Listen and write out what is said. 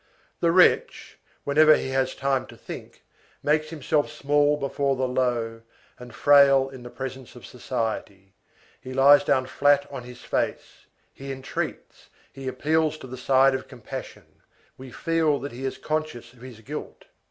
43 The wretch, whenever he has time to think, makes himself small before the low, and frail in the presence of society; he lies down flat on his face, he entreats, he appeals to the side of compassion; we feel that he is conscious of his guilt.